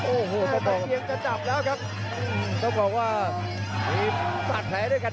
โอ้โหแท่เคียงจะจับแล้วครับ